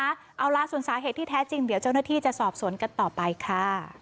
เอาล่ะส่วนสาเหตุที่แท้จริงเดี๋ยวเจ้าหน้าที่จะสอบสวนกันต่อไปค่ะ